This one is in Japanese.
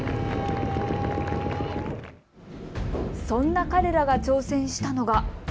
そんな彼らが挑戦したのが。